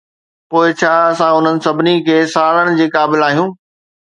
پوء ڇا اسان انهن سڀني کي ساڙڻ جي قابل آهيون؟